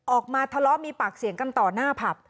ออกมาทะเลาะมีปากเสียงกันต่อหน้าผับ